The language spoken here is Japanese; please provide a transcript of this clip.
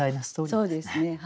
そうですね。